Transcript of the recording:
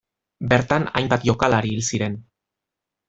Bertan hainbat jokalari hil ziren.